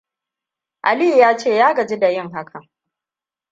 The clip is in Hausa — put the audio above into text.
Aliyu ya ce ya gaji da yin hakan.